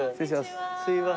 すいません。